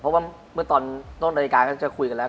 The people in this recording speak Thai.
เพราะว่าเมื่อตอนต้นรายการก็จะคุยกันแล้ว